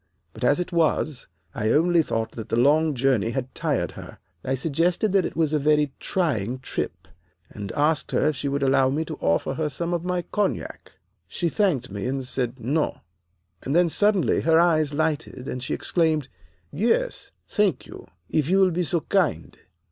But as it was, I only thought that the long journey had tired her. I suggested that it was a very trying trip, and asked her if she would allow me to offer her some of my cognac. "She thanked me and said, 'No,' and then suddenly her eyes lighted, and she exclaimed, 'Yes, thank you, if you will be so kind.